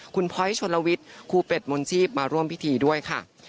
คุณพลอยชนลวิทย์ครูเป็ดมนชีพมาร่วมพิธีด้วยค่ะ